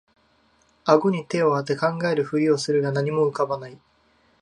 あごに手をあて考えるふりをするが何も浮かばない